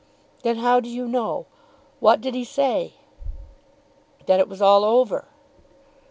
"Then how do you know? What did he say?" "That it was all over."